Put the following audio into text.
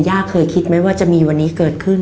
เคยคิดไหมว่าจะมีวันนี้เกิดขึ้น